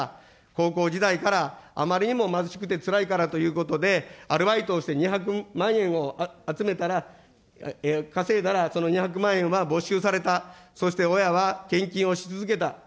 高校時代からあまりにも貧しくてつらいからということで、アルバイトをして２００万円を集めたら、稼いだら、その２００万円は没収された、そして親は献金をし続けた。